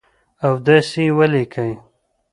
او داسي یې ولیکئ